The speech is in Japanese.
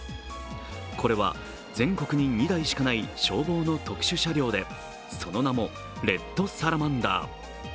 これは全国に２台しかない消防の特殊車両で、その名も、レッドサラマンダー。